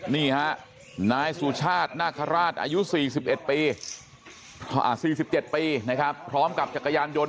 นี่ฮะน้ายสุชาตินาคาราธิ์อายุ๔๗ปีพร้อมกับจักรยานยนต์